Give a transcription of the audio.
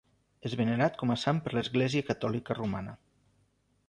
És venerat com a sant per l'Església Catòlica Romana.